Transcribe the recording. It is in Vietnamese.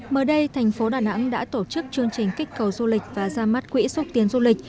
mới đây thành phố đà nẵng đã tổ chức chương trình kích cầu du lịch và ra mắt quỹ xúc tiến du lịch